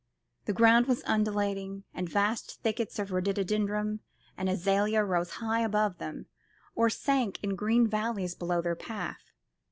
The ground was undulating, and vast thickets of rhododendron and azalea rose high above them, or sank in green valleys below their path.